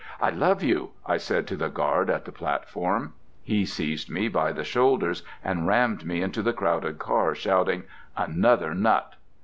"I love you," I said to the guard on the platform. He seized me by the shoulders and rammed me into the crowded car, shouting "Another nut!"